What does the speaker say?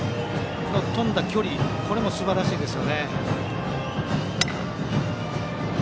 飛んだ距離これもすばらしいです。